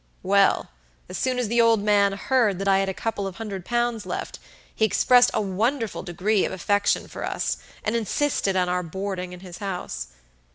Well, as soon as the old man heard that I had a couple of hundred pounds left, he expressed a wonderful degree of affection for us, and insisted on our boarding in his house.